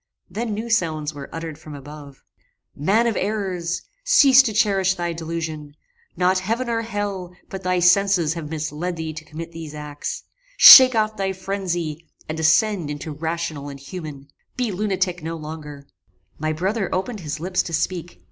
Then new sounds were uttered from above. "Man of errors! cease to cherish thy delusion: not heaven or hell, but thy senses have misled thee to commit these acts. Shake off thy phrenzy, and ascend into rational and human. Be lunatic no longer." My brother opened his lips to speak.